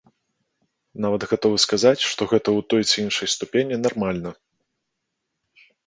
Нават гатовы сказаць, што гэта ў той ці іншай ступені нармальна.